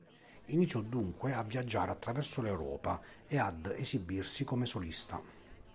Iniziò dunque a viaggiare attraverso l'Europa e ad esibirsi come solista.